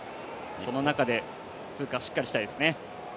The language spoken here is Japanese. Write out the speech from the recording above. その中で通過、しっかりしたいですね。